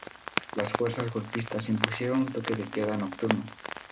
Las fuerzas golpistas impusieron un toque de queda nocturno.